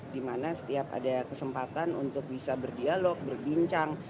di mana setiap ada kesempatan untuk bisa berdialog berbincang